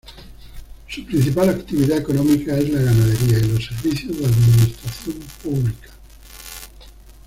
Su principal actividad económica es la ganadería y los servicios de administración pública.